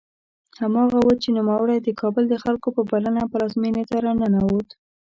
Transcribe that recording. هماغه و چې نوموړی د کابل د خلکو په بلنه پلازمېنې ته راننوت.